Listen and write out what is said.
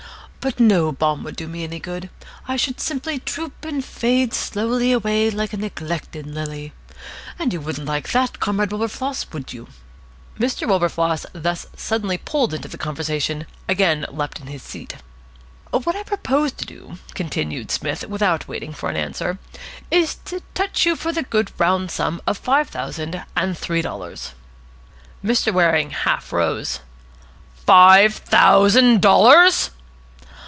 But no balm would do me any good. I should simply droop and fade slowly away like a neglected lily. And you wouldn't like that, Comrade Wilberfloss, would you?" Mr. Wilberfloss, thus suddenly pulled into the conversation, again leaped in his seat. "What I propose to do," continued Psmith, without waiting for an answer, "is to touch you for the good round sum of five thousand and three dollars." Mr. Waring half rose. "Five thousand dollars!"